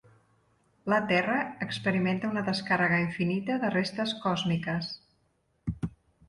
La terra experimenta una descàrrega infinita de restes còsmiques.